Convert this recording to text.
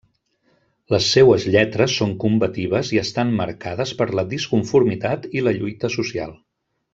Les seues lletres són combatives i estan marcades per la disconformitat i la lluita social.